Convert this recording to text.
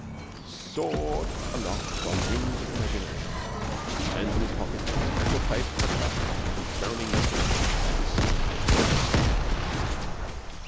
He soared aloft on the wings of imagination, his hands in his pockets, his freckled face puckered up in frowning mental effort. He certainly enjoyed himself.